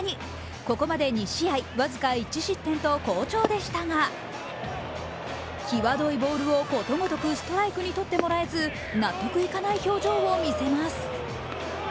ここまで２試合、僅か１失点と好調でしたが、きわどいボールをことごとくストライクに取ってもらえず納得いかない表情を見せます。